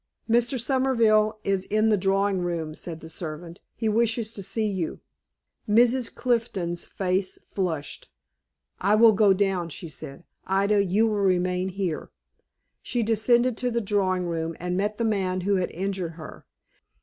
"Mr. Somerville is in the drawing room," said the servant. "He wishes to see you." Mrs. Clifton's face flushed. "I will go down," she said. "Ida, you will remain here." She descended to the drawing room, and met the man who had injured her.